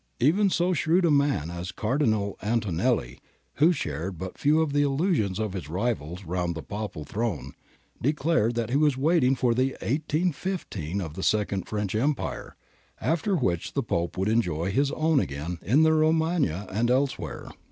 Even so shrewd a man as Cardinal Antonelli, who shared but few of the illusions of his rivals around the Papal throne, declared that he was waiting for 'the 181 5 of the Second French Empire,' after which the Pope would enjoy his own again in the Romagna and elsewhere.